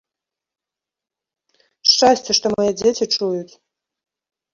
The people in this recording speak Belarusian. Шчасце, што мае дзеці чуюць.